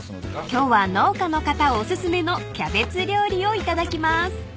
［今日は農家の方お薦めのキャベツ料理を頂きます］